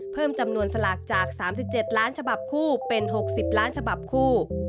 เพิ่มจำนวนสลากจาก๓๗ล้านฉบับคู่เป็น๖๐ล้านฉบับคู่